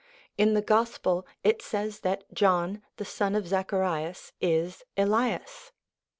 In the Gospel it says that John the son of Zacharias is Elias.